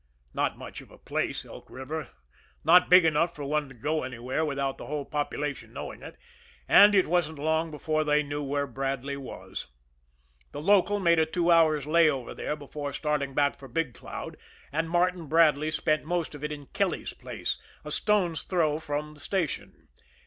Not much of a place, Elk River, not big enough for one to go anywhere without the whole population knowing it; and it wasn't long before they knew where Bradley was. The local made a two hours' lay over there before starting back for Big Cloud; and Martin Bradley spent most of it in Kelly's place, a stone's throw from, the station.